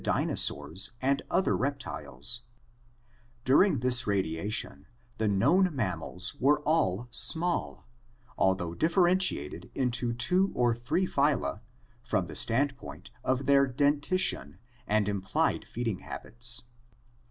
Dur ing this radiation the known mammals were all small, although differentiated into two or three phyla from the standpoint of their dentition and implied feeding habits.